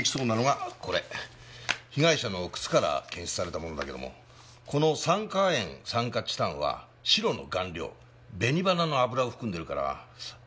被害者の靴から検出されたものだけどもこの酸化亜鉛酸化チタンは白の顔料紅花の油を含んでるから油絵の具の可能性が高いね。